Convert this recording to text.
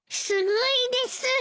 すごいです！